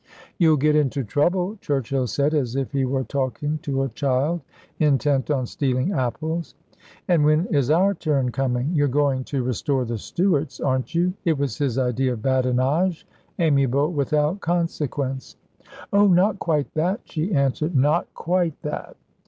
"You'll get into trouble," Churchill said, as if he were talking to a child intent on stealing apples. "And when is our turn coming? You're going to restore the Stuarts, aren't you?" It was his idea of badinage, amiable without consequence. "Oh, not quite that," she answered, "not quite that."